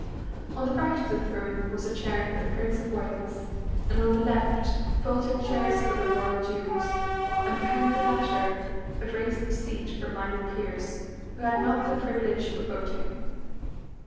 On the right of the throne was a chair for the Prince of Wales, and on the left, folding chairs for the royal dukes, and behind the latter, a raised seat for minor peers, who had not the privilege of voting.